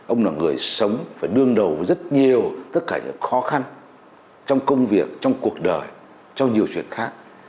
ông là người sống phải đương đầu rất nhiều tất cả những khó khăn trong công việc trong cuộc đời cho nhiều chuyện khác